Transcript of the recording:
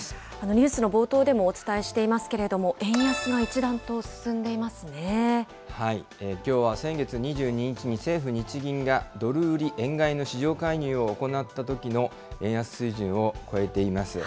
ニュースの冒頭でもお伝えしていますけれども、円安が一段ときょうは先月２２日に政府・日銀が、ドル売り円買いの市場介入を行ったときの円安水準を超えています。